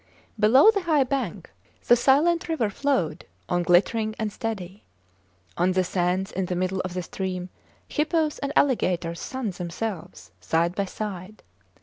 Below the high bank, the silent river flowed on glittering and steady. On the sands in the middle of the stream, hippos and alligators sunned themselves side by side.